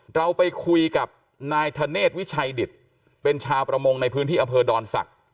เราไปคุยกับนายธเนธวิชัยดิตเป็นชาวประมงในพื้นที่อำเภอดอนศักดิ์